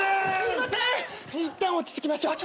いったん落ち着きましょう。